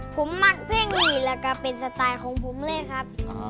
ผมมักเพ่งดีแล้วก็เป็นสไตล์ของผมเลยครับ